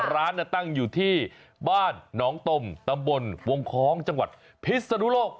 ร้านตั้งอยู่ที่บ้านหนองตมตำบลวงคล้องจังหวัดพิศนุโลก